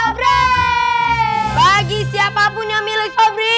bagi siapapun yang milih